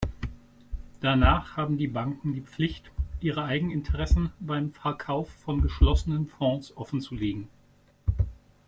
Danach haben die Banken die Pflicht, ihre Eigeninteressen beim Verkauf von geschlossenen Fonds offenzulegen.